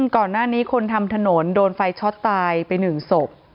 ก่อนหน้านี้คนทำถนนโดนไฟช็อตตายไป๑ศพ